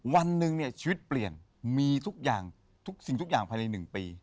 วันหนึ่งเนี่ยชีวิตเปลี่ยนมีทุกอย่างทุกสิ่งทุกอย่างภายใน๑ปี